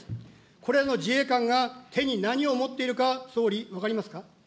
これの自衛官が、手に何を持っているか、総理、分かりますか。